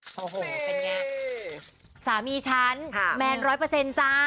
โอ้โหเป็นไงสามีฉันแมนร้อยเปอร์เซ็นต์จ้า